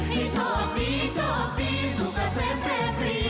ให้โชคดีโชคดีสุขเสพเพลมดี